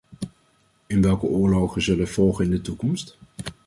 En welke oorlogen zullen volgen in de toekomst?